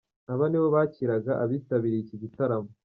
Aba nibo bakiraga abitabiriye iki gitaramo.